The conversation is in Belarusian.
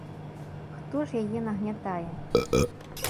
Хто ж яе нагнятае?